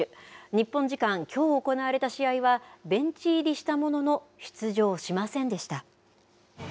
日本時間きょう行われた試合は、ベンチ入りしたものの、出場しませんでした。